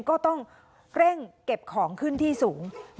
ก็ต้องเร่งเก็บของขึ้นที่สูง